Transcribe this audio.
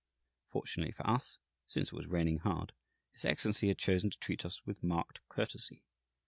Fortunately for us, since it was raining hard, His Excellency had chosen to treat us with marked courtesy.